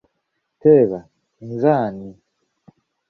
Teeba, nze ani?